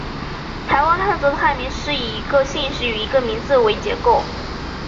台湾汉族的汉名是以一个姓氏与一个名字为结构。